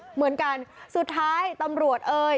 เหมือนกันสุดท้ายตำรวจเอ่ย